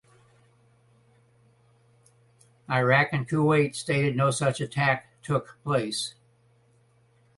Iraq and Kuwait stated no such attack took place.